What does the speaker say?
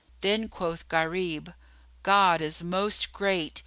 Then quoth Gharib, "God is Most Great!